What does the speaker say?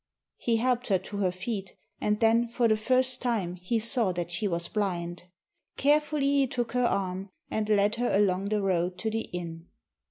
He helped her to her feet, and then, for the first time, he saw that she was blind. Carefully he took her arm, and led her along the road to the inn.